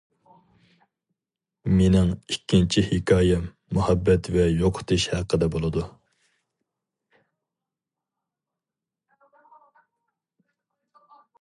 مېنىڭ ئىككىنچى ھېكايەم مۇھەببەت ۋە يوقىتىش ھەققىدە بولىدۇ.